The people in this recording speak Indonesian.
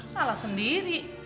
tidak salah sendiri